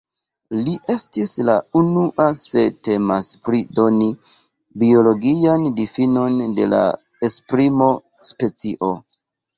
Li estis la unua se temas pri doni biologian difinon de la esprimo "specio".